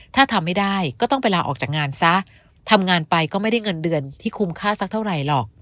ถ้าทำไม่ได้ก็ต้องไปลาออกจากงานซะทำงานไปก็ไม่ได้เงินเดือนที่คุ้มค่าสักเท่าไหร่หรอก